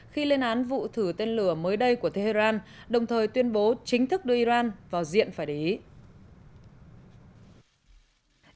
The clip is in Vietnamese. khi lên án vụ thử tên lửa mới đây của tehran đồng thời tuyên bố chính thức đưa iran vào diện phải để ý